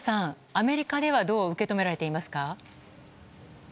アメリカではどう受け止められていますか？